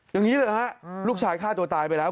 อย่างนี้เลยเหรอฮะลูกชายฆ่าตัวตายไปแล้ว